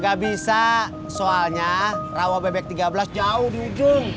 gak bisa soalnya rawa bebek tiga belas jauh di ujung